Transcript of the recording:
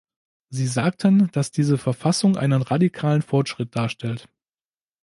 Sie sagten, dass diese Verfassung einen radikalen Fortschritt darstellt.